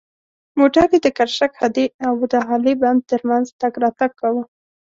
موټر یې د کرشک هډې او د هالې بند تر منځ تګ راتګ کاوه.